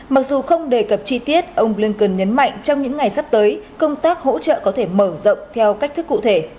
mặc dù không đề cập chi tiết ông blinken nhấn mạnh trong những ngày sắp tới công tác hỗ trợ có thể mở rộng theo cách thức cụ thể